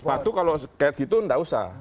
sepatu kalau kayak gitu gak usah